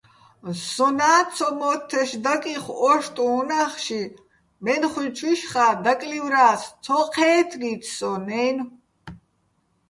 სონა́ ცომო́თთეშ დაკიხო ო́შტუჼ უ̂ნახში, მე́ნხუჲჩუჲშხა́ დაკლივრა́ს, ცო ჴე́თგიც სონ-აჲნო̆.